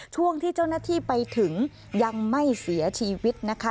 ช่วงที่เจ้าหน้าที่ไปถึงยังไม่เสียชีวิตนะคะ